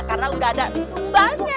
karena udah ada tumbangnya